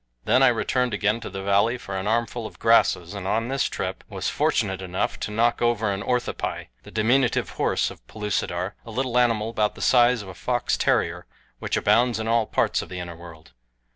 Then I returned again to the valley for an armful of grasses and on this trip was fortunate enough to knock over an orthopi, the diminutive horse of Pellucidar, a little animal about the size of a fox terrier, which abounds in all parts of the inner world.